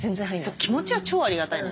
そう気持ちは超ありがたいのよ。